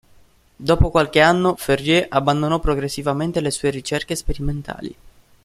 Dopo qualche anno, Ferrier abbandonò progressivamente le sue ricerche sperimentali.